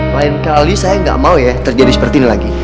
lain kali saya nggak mau ya terjadi seperti ini lagi